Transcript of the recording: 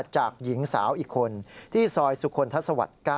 หญิงสาวอีกคนที่ซอยสุคลทัศวรรค๙